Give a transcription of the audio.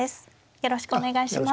よろしくお願いします。